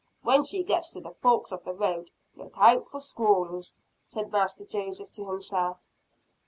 "When she gets to the forks of the road, look out for squalls," said Master Joseph to himself.